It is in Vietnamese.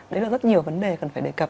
đấy là rất nhiều vấn đề cần phải đề cập